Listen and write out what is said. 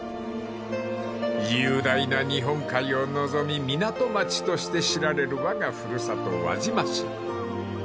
［雄大な日本海を臨み港町として知られるわが古里輪島市］